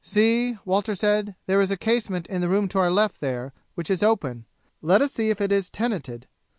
"See," Water said, "there is a casement in the room to our left there which is open; let us see if it is tenanted."